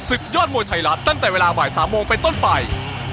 ศึกยอดมวยไทยรัฐตั้งแต่เวลาบ่าย๓โมงไปต้นไป